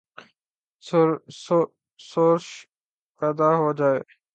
شورش پیدا ہو جائے تو اس سے کیسے معا ملہ کیا جاتا تھا؟